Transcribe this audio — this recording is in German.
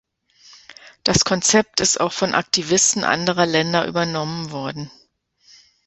Das Konzept ist auch von Aktivisten anderer Länder übernommen worden.